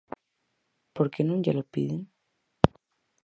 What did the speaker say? ¿Por que non llelo piden?